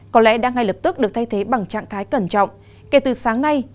có lẽ đã ngay lập tức được thay thế bằng trạng thái cẩn trọng kể từ sáng nay